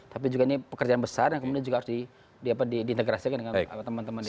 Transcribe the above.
tapi juga ini pekerjaan besar yang kemudian juga harus diintegrasikan dengan teman teman di sini